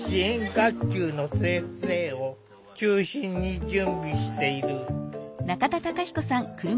学級の先生を中心に準備している。